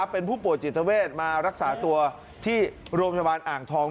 เป็นผู้ป่วยจิตเวทมารักษาตัวที่โรงพยาบาลอ่างทอง